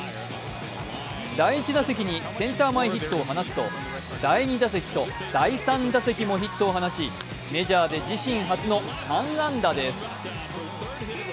第１打席にセンター前ヒットを放つと第２打席と第３打席もヒットを放ちメジャーで自身初の３安打です。